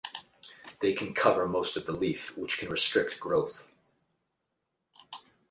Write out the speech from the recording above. They can cover most of the leaf which can restrict growth.